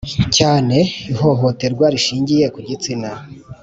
cyane, ihohoterwa rishingiye ku gitsina